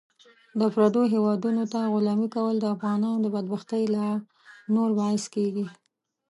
د پردیو هیوادونو ته غلامي کول د افغانانو د بدبختۍ لا نور باعث کیږي .